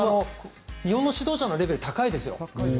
日本の指導者のレベルは高いですよ。